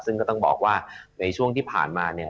ซึ่งก็ต้องบอกว่าในช่วงที่ผ่านมาเนี่ย